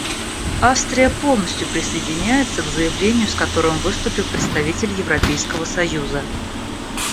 Австрия полностью присоединяется к заявлению, с которым выступил представитель Европейского союза.